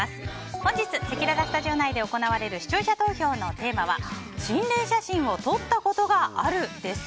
本日せきららスタジオ内で行われる視聴者投票のテーマは心霊写真を撮ったことがあるです。